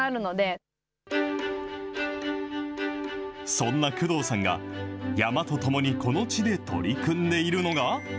そんな工藤さんが、山とともにこの地で取り組んでいるのが。